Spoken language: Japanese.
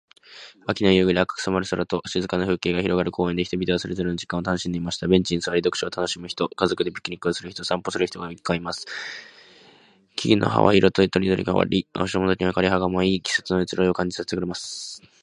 秋の夕暮れ、赤く染まる空と静かな風景が広がる公園で、人々はそれぞれの時間を楽しんでいました。ベンチに座り、読書を楽しむ人、家族でピクニックをする人、散歩する人々が行き交います。木々の葉は色とりどりに変わり、足元には枯葉が舞い、季節の移ろいを感じさせてくれます。